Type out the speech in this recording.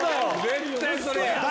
絶対それや！